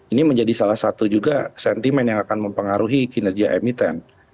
ini menjadi salah satu juga sentimen yang akan mempengaruhi kinerja emiten